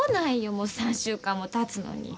もう３週間もたつのに。